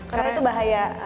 karena itu bahaya